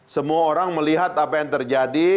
semua orang melihat apa yang terjadi